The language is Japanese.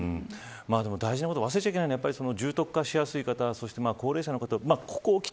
大事なこと、忘れちゃいけないのは、重篤化しやすい方そして高齢者の方